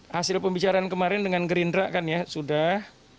hasil pembicaraan kemarin dengan gerindra kan ya sudah